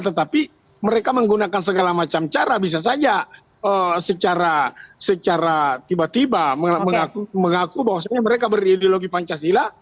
tetapi mereka menggunakan segala macam cara bisa saja secara tiba tiba mengaku bahwa mereka berideologi pancasila